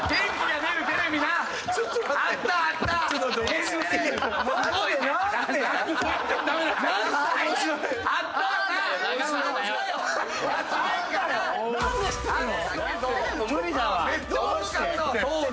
めっちゃおもろかったわ当時。